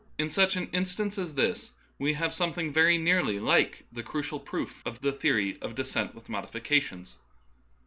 In such an instance as this we have something very nearly like crucial proof of the theory of " descent with modifications."